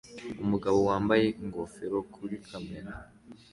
Umugabo wambaye ingofero kuri kamera